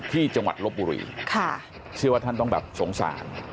จังหวัดลบบุรีเชื่อว่าท่านต้องแบบสงสาร